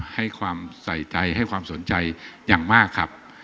ให้ความใส่ใจให้ความสนใจอย่างมากครับ